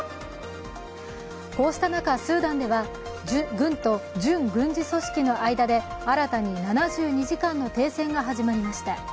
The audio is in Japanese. こうした中、スーダンでは軍と準軍事組織の間で新たに７２時間の停戦が始まりました。